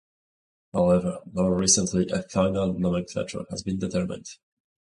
However, more recently, a final nomenclature has been determined.